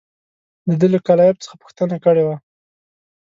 ده له کلایف څخه پوښتنه کړې وه.